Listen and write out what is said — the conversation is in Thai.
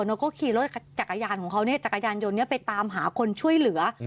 เขาก็ขี่รถจักรยานของเขาเนี่ยจักรยานยนต์นี้ไปตามหาคนช่วยเหลือ